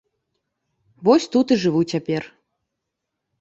Вось тут і жыву цяпер.